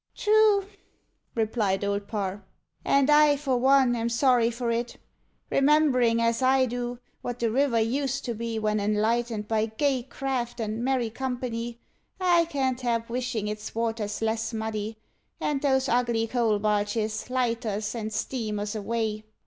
"True," replied Old Parr; "and I, for one, am sorry for it. Remembering, as I do, what the river used to be when enlightened by gay craft and merry company, I can't help wishing its waters less muddy, and those ugly coal barges, lighters, and steamers away.